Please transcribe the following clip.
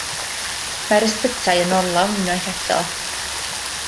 Mae'r ysbytai yn orlawn unwaith eto.